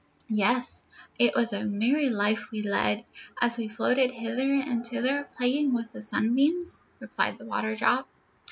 "Yes; it was a merry life we led, as we floated hither and thither, playing with the sun beams," replied the Waterdrop.